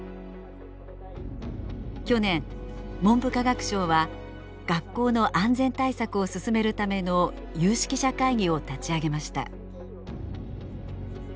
去年文部科学省は学校の安全対策を進めるための有識者会議を立ち上げました。